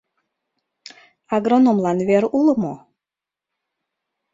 Агрономлан вер уло мо?